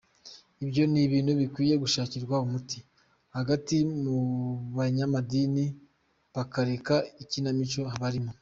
Ibyo ni ibintu bikwiye gushakirwa umuti hagati mu banyamadini bakareka ikinamico barimo.